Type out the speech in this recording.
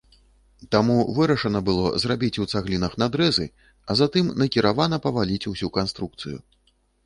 Таму вырашана было зрабіць у цаглінах надрэзы, а затым накіравана паваліць ўсю канструкцыю.